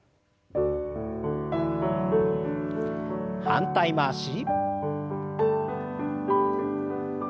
反対回し。